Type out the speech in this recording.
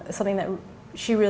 sesuatu yang benar benar